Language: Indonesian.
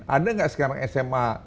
ada tidak sekarang sma